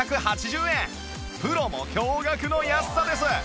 プロも驚愕の安さです